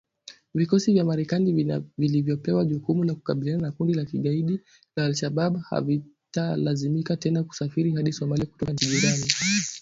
Vikosi vya Marekani vilivyopewa jukumu la kukabiliana na kundi la kigaidi la al-Shabab havitalazimika tena kusafiri hadi Somalia kutoka nchi jirani.